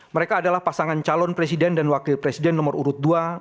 mereka adalah pasangan calon presiden dan wakil presiden nomor urut dua